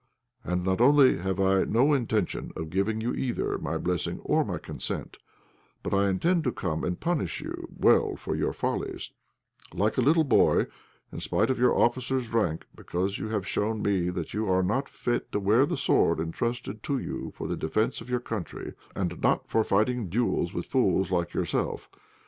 And not only have I no intention of giving you either my blessing or my consent, but I intend to come and punish you well for your follies, like a little boy, in spite of your officer's rank, because you have shown me that you are not fit to wear the sword entrusted to you for the defence of your country, and not for fighting duels with fools like yourself.